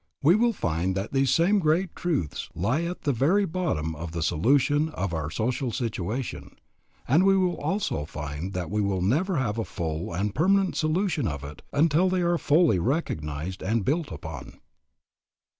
We will find that these same great truths lie at the very bottom of the solution of our social situation; and we will also find that we will never have a full and permanent solution of it until they are fully recognized and built upon.